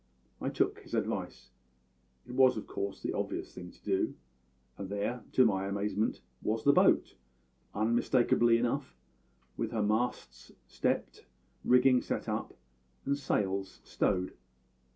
"I took his advice it was of course the obvious thing to do and there, to my amazement, was the boat, unmistakably enough, with her mast stepped, rigging set up, and sails stowed.